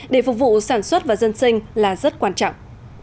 để phục vụ sản xuất và dân sinh là rất quan trọng